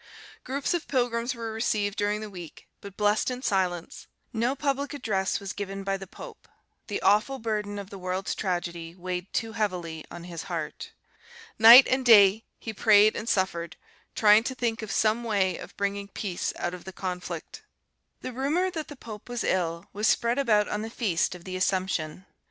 Groups of pilgrims were received during the week, but blessed in silence; no public address was given by the pope: the awful burden of the world's tragedy weighed too heavily on his heart. Night and day he prayed and suffered, trying to think of some way of bringing peace out of the conflict. The rumour that the pope was ill was spread about on the feast of the Assumption.